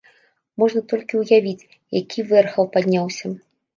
Можна толькі ўявіць, які вэрхал падняўся.